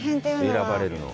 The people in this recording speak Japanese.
選ばれるの。